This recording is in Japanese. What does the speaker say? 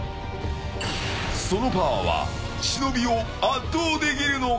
そのパワーは忍を圧倒できるのか？